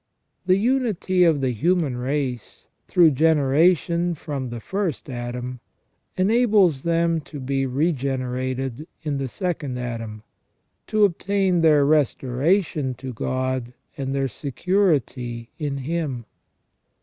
The unity of the human race, through generation from the first Adam, enables them to be regenerated in the second Adam, to obtain their restoration to God and their security in Him.